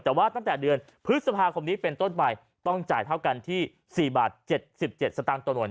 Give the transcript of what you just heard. แต่ว่าตั้งแต่เดือนพฤษภาคมนี้เป็นต้นไปต้องจ่ายเท่ากันที่๔บาท๗๗สตางค์ต่อหน่วย